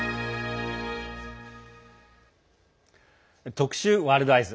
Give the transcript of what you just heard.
特集「ワールドＥＹＥＳ」。